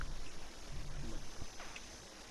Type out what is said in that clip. meq